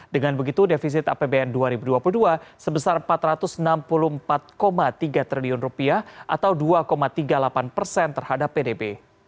dengan begitu defisit apbn dua ribu dua puluh dua sebesar rp empat ratus enam puluh empat tiga triliun atau dua tiga puluh delapan persen terhadap pdb